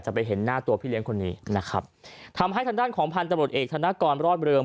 ไปเห็นหน้าตัวพี่เลี้ยงคนนี้นะครับทำให้ทางด้านของพันธบรดเอกธนกรรอดเริง